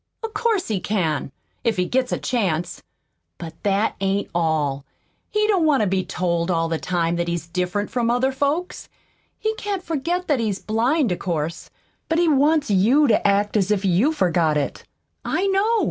"Of course he can if he gets a chance! But that ain't all. He don't want to be told all the time that he's different from other folks. He can't forget that he's blind, of course, but he wants you to act as if you forgot it. I know.